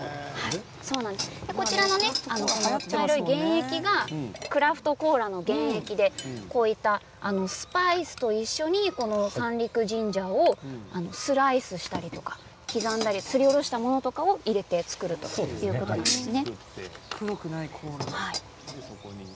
茶色い原液がクラフトコーラの原液でスパイスと一緒に三陸ジンジャーをスライスしたり刻んだりすりおろしたものを入れて作るということなんですね。